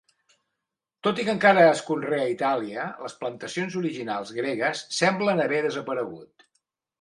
Tot i que encara es conrea a Itàlia, les plantacions originals gregues semblen haver desaparegut.